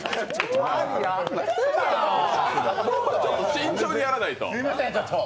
慎重にやらないと。